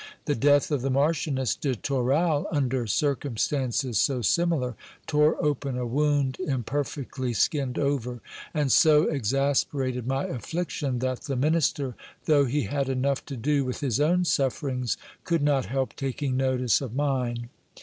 The death of the Marchioness de Toral, under circumstances so similar, tore open a wound imperfectly skinned over, and so exasperated my affliction, that the minister, though he had enough to do with his own sufferings, could not help taking notice of mine.